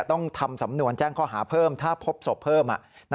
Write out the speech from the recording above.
ต้องทำสำนวนแจ้งข้อหาเพิ่มถ้าพบศพเพิ่ม